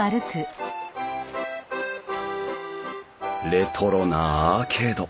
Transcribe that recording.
レトロなアーケード。